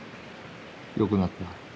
よくなった？